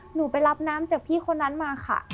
หนูไปรับน้ำจากพี่คนนั้นมาค่ะ